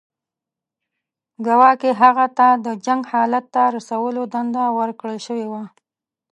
ګواکې هغه ته د جنګ حالت ته رسولو دنده ورکړل شوې وه.